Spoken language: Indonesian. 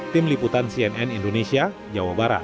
tim liputan cnn indonesia jawa barat